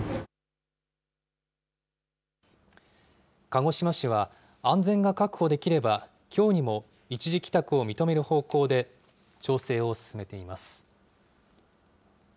鹿児島市は安全が確保できれば、きょうにも一時帰宅を認める方向で調整を進めています。